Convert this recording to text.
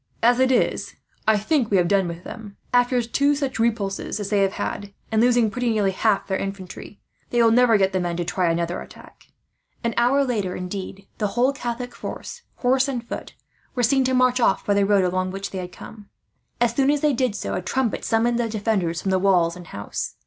"As it is, I think we have done with them. After two such repulses as they have had, and losing pretty nearly half their infantry, they will never get the men to try another attack." An hour later, indeed, the whole Catholic force, horse and foot, were seen to march away by the road along which they had come. As soon as they did so, a trumpet summoned the defenders from the walls and house.